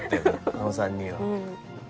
あの３人は。